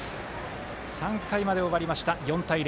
３回まで終わりました、４対０。